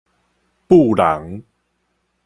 發膿